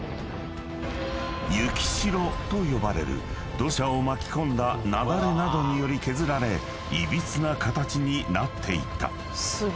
［雪代と呼ばれる土砂を巻き込んだ雪崩などにより削られいびつな形になっていった］